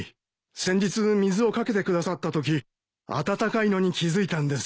先日水を掛けてくださったとき温かいのに気付いたんです。